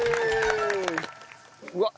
うわっ！